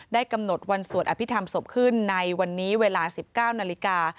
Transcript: กำหนดวันสวดอภิษฐรรมศพขึ้นในวันนี้เวลา๑๙นาฬิกา